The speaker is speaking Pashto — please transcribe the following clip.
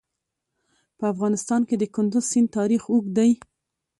په افغانستان کې د کندز سیند تاریخ اوږد دی.